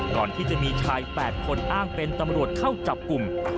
ก่อนที่จะมีชาย๘คนอ้างเป็นตำรวจเข้าจับกลุ่ม